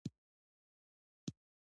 پښتون هیڅکله چا ته سر نه ټیټوي.